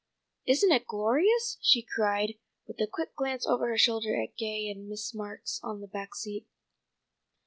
"Isn't it glorious?" she cried, with a quick glance over her shoulder at Gay and Miss Marks on the back seat.